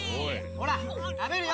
ほら食べるよ。